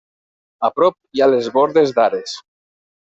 A prop hi ha les bordes d'Ares.